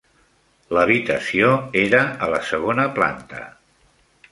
L'habitació era a la segona planta.